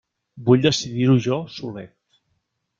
Vull decidir-ho jo solet!